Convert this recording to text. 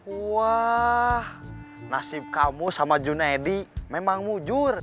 wah nasib kamu sama junaidi memang mujur